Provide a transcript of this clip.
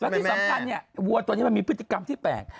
ที่สำคัญเนี่ยวัวตัวนี้มันมีพฤติกรรมที่แปลก